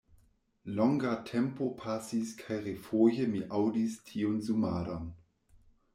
Longa tempo pasis kaj refoje mi aŭdis tiun zumadon.